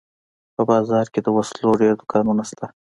په بازار کښې د وسلو ډېر دوکانونه سته.